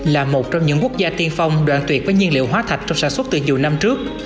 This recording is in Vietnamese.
là một trong những quốc gia tiên phong đoạn tuyệt với nhiên liệu hóa thạch trong sản xuất từ nhiều năm trước